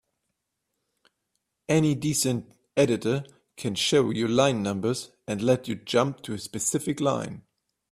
Any decent editor can show you line numbers and let you jump to a specific line.